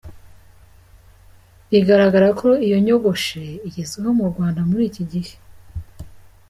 Bigaragara ko iyo nyogoshe igezweho mu Rwanda muri iki gihe.